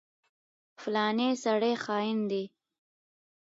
فلانی سړی خاين دی.